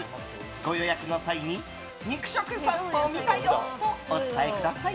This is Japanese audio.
ご予約の際に肉食さんぽ見たよとお伝えください。